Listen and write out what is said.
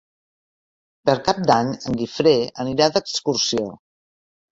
Per Cap d'Any en Guifré anirà d'excursió.